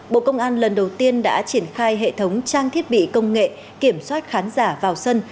bộ công an lần đầu tiên đã triển khai hệ thống trang thiết bị công nghệ kiểm soát khán giả vào sân